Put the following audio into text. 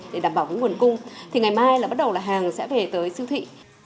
để đảm bảo nguồn cung ngày mai bắt đầu hàng sẽ về tới siêu thị